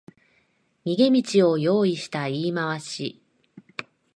逃げ道を用意した言い回し